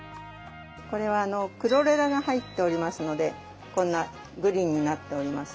これはクロレラが入っておりますのでこんなグリーンになっております。